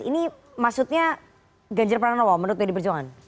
ini maksudnya ganjar perang lawa menurut medi perjuangan